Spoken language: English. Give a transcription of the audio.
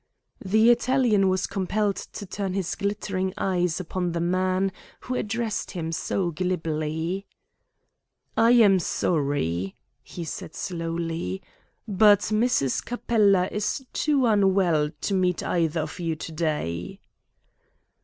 The Italian was compelled to turn his glittering eyes upon the man who addressed him so glibly. "I am sorry," he said slowly, "but Mrs. Capella is too unwell to meet either of you to day."